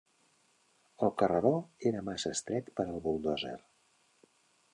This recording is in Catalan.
El carreró era massa estret per al buldòzer.